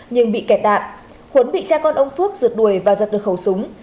nhưng bị kẹt đạn huấn bị cha con ông phước rượt đuổi và giật được khẩu súng